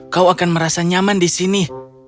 kau akan merasa nyaman di sini